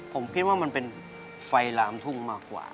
ผมคิดว่ามันเป็นไฟลามทุ่งมากกว่า